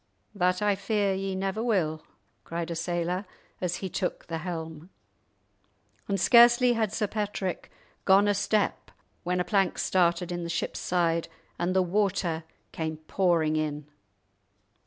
"That I fear ye never will," cried a sailor as he took the helm, and scarcely had Sir Patrick gone a step when a plank started in the ship's side and the water came pouring in.